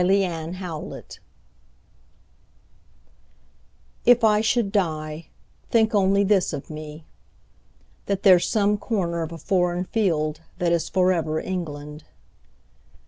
The Soldier If I should die, think only this of me: That there's some corner of a foreign field That is for ever England.